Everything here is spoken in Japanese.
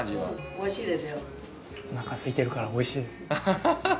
おなかすいてるから美味しいです。